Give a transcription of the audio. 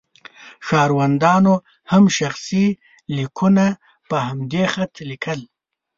ښاروندانو هم شخصي لیکونه په همدې خط لیکل.